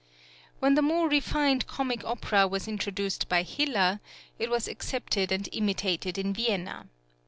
When the more refined comic opera was introduced by Hiller, it was accepted and imitated in Vienna.